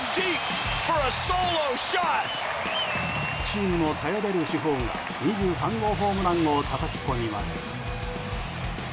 チームの頼れる主砲が２３号ホームランをたたき込みます。